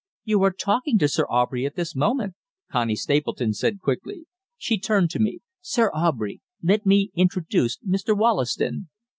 "You are talking to Sir Aubrey at this moment," Connie Stapleton said quickly. She turned to me: "Sir Aubrey, let me introduce Mr. Wollaston."